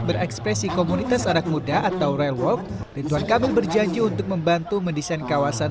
berekspresi komunitas anak muda atau railwalk rituan kamil berjanji untuk membantu mendesain kawasan